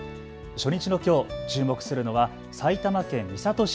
初日のきょう注目するのは埼玉県三郷市。